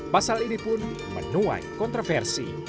pasal ini pun menuai kontroversi